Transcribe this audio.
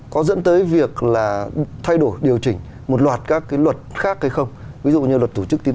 có dẫn tới việc là thay đổi điều chỉnh một loạt các cái luật khác hay không ví dụ như luật tổ chức tiến dụng